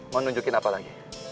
mau nunjukin apa lagi